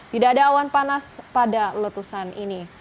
tidak ada awan panas pada letusan ini